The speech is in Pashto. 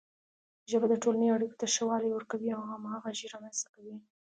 ژبه د ټولنې اړیکو ته ښه والی ورکوي او همغږي رامنځته کوي.